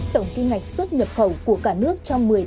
tổng kinh ngạch xuất nhập khẩu của cả nước trong hai mươi bốn giờ qua